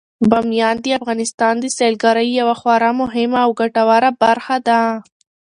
بامیان د افغانستان د سیلګرۍ یوه خورا مهمه او ګټوره برخه ده.